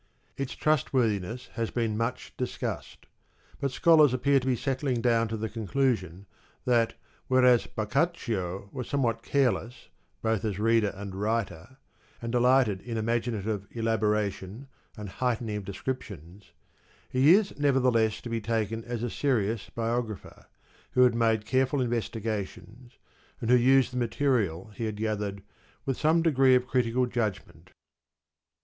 Its trustworthiness has been much discussed; but scholars appear to be settling down to the conclusion that whereas Boccaccio was somewhat careless both as reader and writer,^ and delighted in imaginative elaboration and heightening of descriptions, he is nevertheless to be taken as a serious biographer, who had made careful investigations, and who used the material he had gathered with some degree of critical judgment.